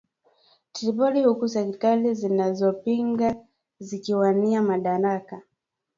Tripoli huku serikali zinazopingana zikiwania madaraka